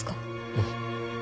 うん。